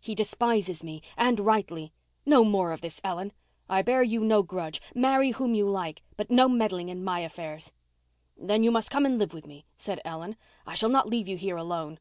He despises me—and rightly. No more of this, Ellen. I bear you no grudge—marry whom you like. But no meddling in my affairs." "Then you must come and live with me," said Ellen. "I shall not leave you here alone."